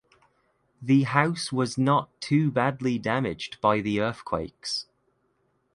The house was not too badly damaged by the earthquakes.